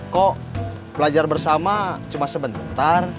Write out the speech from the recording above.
kok belajar bersama cuma sebentar